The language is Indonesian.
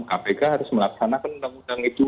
kpk harus melaksanakan undang undang itu